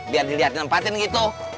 biar dilihat di nempatin gitu